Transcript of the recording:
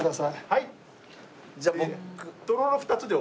はい。